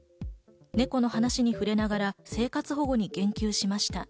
猫の話に触れながら生活保護に言及しました。